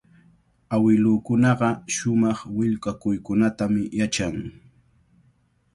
Awilukunaqa shumaq willakuykunatami yachan.